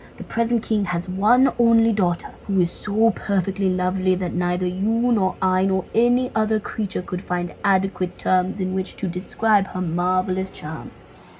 The present king has one only daughter, who is so perfectly lovely that neither you, nor I, nor any other creature could find adequate terms in which to describe her marvellous charms.